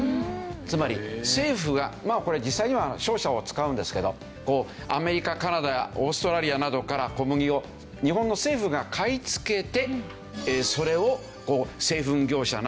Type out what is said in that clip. つまり政府がまあこれ実際には商社を使うんですけどアメリカカナダオーストラリアなどから小麦を日本の政府が買いつけてそれを製粉業者などにこれを売り渡す。